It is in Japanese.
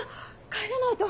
帰らないと。